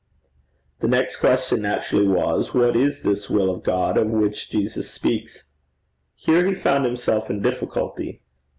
The next question naturally was: What is this will of God of which Jesus speaks? Here he found himself in difficulty.